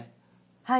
はい。